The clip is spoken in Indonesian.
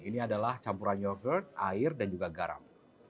ini adalah campuran yogurt air dan juga garam